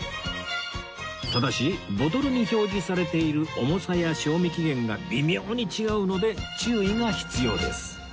ただしボトルに表示されている重さや賞味期限が微妙に違うので注意が必要です